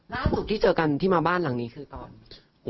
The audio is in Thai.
ล่าสุดที่เจอกันที่มาบ้านหลังนี้คือตอน